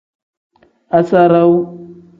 Asasarawu.